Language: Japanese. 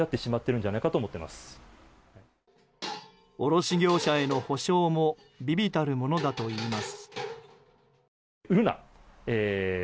卸業者への補償も微々たるものだといいます。